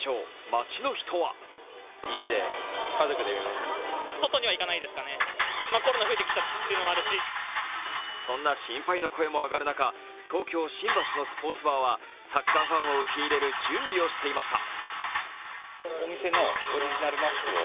街の人はそんな心配の声も上がる中東京・新橋のスポーツバーはサッカーファンを受け入れる準備をしていました。